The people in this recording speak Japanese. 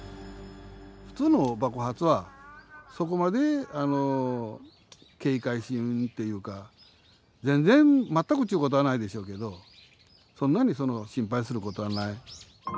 普通の爆発はそこまで警戒しんっていうか全然全くっちゅうことはないでしょうけどそんなに心配することはない。